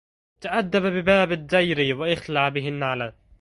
تأدب بباب الدير واخلع به النعلا